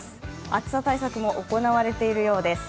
暑さ対策も行われているようです。